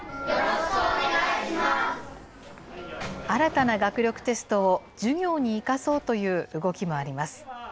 新たな学力テストを授業に生かそうという動きもあります。